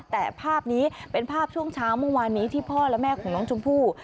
แต่ภาพนี้เป็นภาพช่วงเช้าเมื่อวานนี้ที่พ่อและแม่ของน้องชมพู่